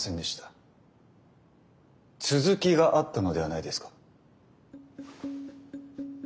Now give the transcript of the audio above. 続きがあったのではないですか？